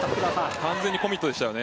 完全にコミットでしたよね。